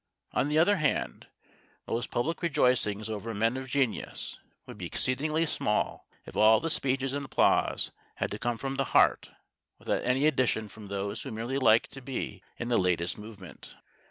On the other hand, most public rejoicings over men of genius would be exceedingly small if all the speeches and applause had to come from the heart without any addition from those who merely like to be in the latest movement.